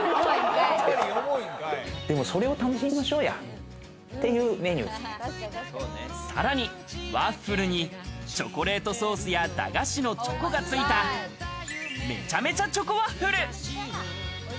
でも、それを楽しさらには、ワッフルにチョコレートソースや駄菓子のチョコがついためちゃめちゃチョコワッフル。